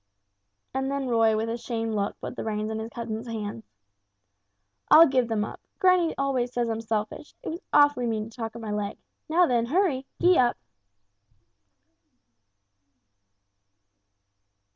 And then Roy with a shamed look put the reins in his cousin's hands. "I'll give them up. Granny always says I'm selfish. It was awfully mean to talk of my leg. Now then hurry! Gee up!"